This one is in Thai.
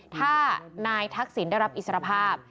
ถ้านายทักษิณได้รับอิสรภาพ